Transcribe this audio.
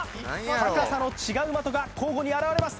高さの違う的が交互に現れます